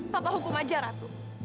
papa hukum aja ratu